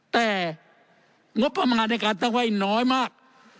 แต่งบประมาณในการตั้งไว้น้อยมาก